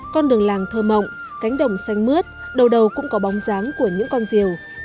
con đường làng thơ mộng cánh đồng xanh mướt đầu đầu cũng có bóng dáng của những con rìu